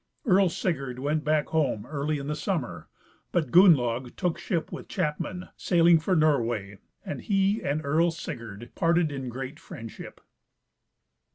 Earl Sigurd went back home early in the summer, but Gurmlaug took ship with chapmen, sailing for Norway, and he and Earl Sigurd parted in great friendship.